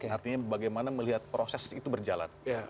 artinya bagaimana melihat proses itu berjalan